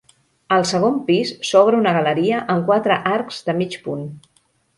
Al segon pis s'obre una galeria amb quatre arcs de mig punt.